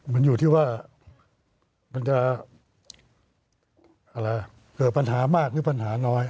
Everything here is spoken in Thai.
มันอยู่ที่ว่ามันจะเกิดปัญหามากหรือปัญหาน้อย